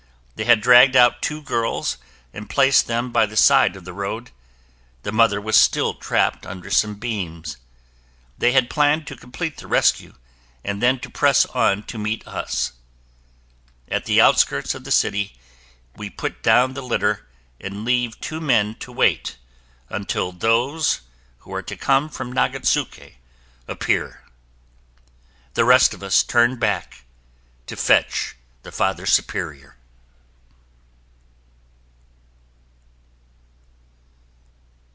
They had dragged out two girls and placed them by the side of the road. Their mother was still trapped under some beams. They had planned to complete the rescue and then to press on to meet us. At the outskirts of the city, we put down the litter and leave two men to wait until those who are to come from Nagatsuke appear. The rest of us turn back to fetch the Father Superior.